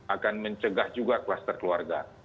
akan mencegah juga kluster keluarga